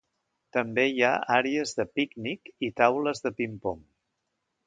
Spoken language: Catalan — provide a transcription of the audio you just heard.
També hi ha àrees de pícnic i taules de ping-pong.